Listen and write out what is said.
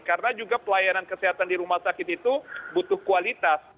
karena juga pelayanan kesehatan di rumah sakit itu butuh kualitas